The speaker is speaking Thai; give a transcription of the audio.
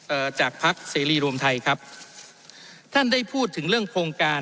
เอ่อจากพักเสรีรวมไทยครับท่านได้พูดถึงเรื่องโครงการ